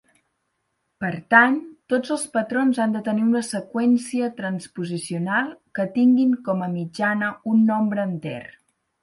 Per tant, tots els patrons han de tenir una seqüència transposicional que tinguin com a mitjana un nombre enter.